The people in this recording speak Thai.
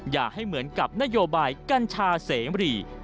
อย่าให้เหมือนกับนโยบายกัญชาเสมรี